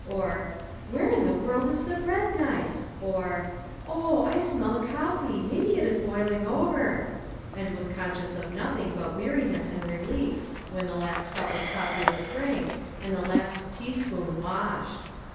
or, "Where in the world is the bread knife ?" or, " Oh ! I smell the coffee ! maybe it is boiling over," and was conscious of nothing but weariness and relief 382 TOO GOOD TO BE TBUE. 383 when the last cup of coffee was drank, and the last teaspoon washed.